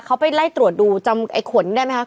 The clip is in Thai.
เขาไปไล่ตรวจดูจำไอ้ขนได้ไหมคะ